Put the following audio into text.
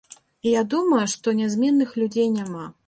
І я думаю, што нязменных людзей няма.